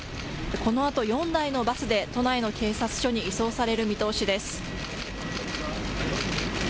このあと４台のバスで、都内の警察署に移送される見通しです。